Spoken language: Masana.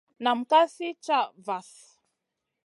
Nam ka sli caha vahl.